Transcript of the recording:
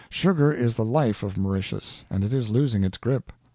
Sugar is the life of Mauritius, and it is losing its grip.